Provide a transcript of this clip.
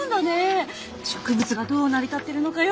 植物がどう成り立ってるのかよく分かる。